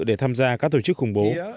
để tham gia các tổ chức khủng bố